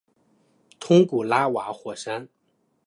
通古拉瓦火山。